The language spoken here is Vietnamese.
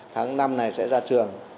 tháng năm này sẽ ra trường